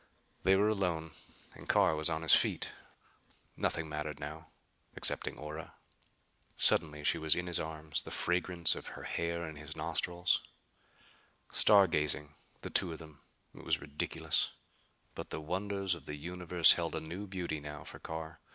They were alone and Carr was on his feet. Nothing mattered now excepting Ora. Suddenly she was in his arms, the fragrance of her hair in his nostrils. Star gazing, the two of them. It was ridiculous! But the wonders of the universe held a new beauty now for Carr.